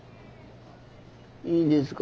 いいんですか？